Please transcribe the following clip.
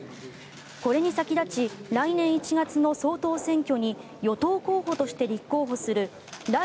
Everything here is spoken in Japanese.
これに先立ち来年１月の総統選挙に与党候補として立候補する頼